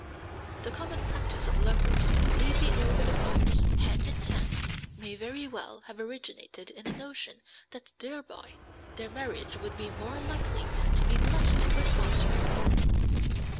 The common practice of lovers leaping over the fires hand in hand may very well have originated in a notion that thereby their marriage would be more likely to be blessed with offspring.